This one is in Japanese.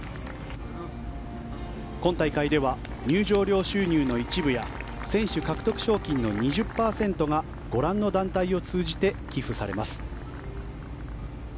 今大会では、入場料収入の一部や選手獲得賞金の２０％がご覧の団体を通じて寄付されます。